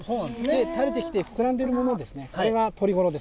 たれてきて、膨らんでるもの、これが取りごろです。